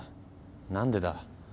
何でだ？